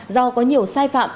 do có nhiều sai phạm